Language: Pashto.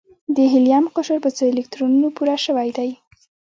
د هیلیم قشر په څو الکترونونو پوره شوی دی؟